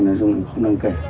nói chung là không đồng kể